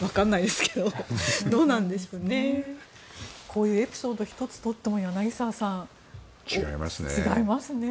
こういうエピソード１つとっても違いますね。